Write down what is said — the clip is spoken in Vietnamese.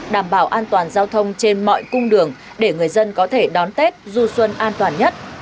đảm bảo an toàn giao thông trên mọi cung đường để người dân có thể đón tết du xuân an toàn nhất